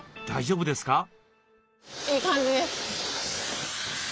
大丈夫ですか？